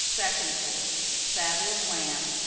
Second Course. Saddle of Lamb.